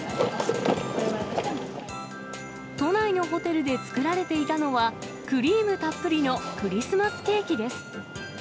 都内のホテルで作られていたのは、クリームたっぷりのクリスマスケーキです。